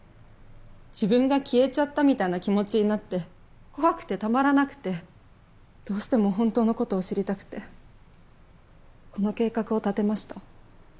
自分が消えちゃったみたいな気持ちになって怖くてたまらなくてどうしても本当の事を知りたくてこの計画を立てました。